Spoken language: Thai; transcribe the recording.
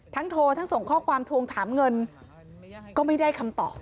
โทรทั้งส่งข้อความทวงถามเงินก็ไม่ได้คำตอบ